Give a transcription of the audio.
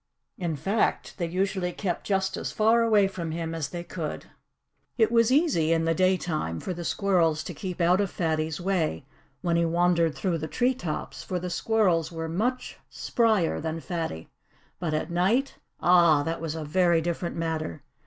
In fact, they usually kept just as far away from him as they could. It was easy, in the daytime, for the squirrels to keep out of Fatty's way, when he wandered through the tree tops, for the squirrels were much sprier than Fatty. But at night ah! that was a very different matter.